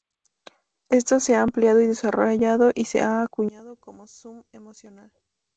Esto se ha ampliado y desarrollado y se ha acuñado como "Zoom emocional".